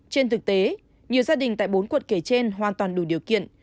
trên thực tế nhiều gia đình tại bốn quận kể trên hoàn toàn đủ điều kiện